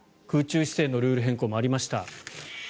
空中姿勢のルール変更もありました。